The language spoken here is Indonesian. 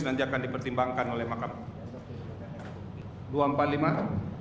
nanti akan dipertimbangkan oleh mahkamah